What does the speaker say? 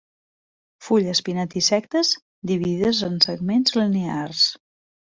Fulles pinnatisectes dividides en segments linears.